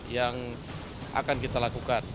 yang akan kita lakukan